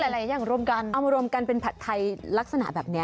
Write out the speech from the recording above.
หลายอย่างรวมกันเอามารวมกันเป็นผัดไทยลักษณะแบบนี้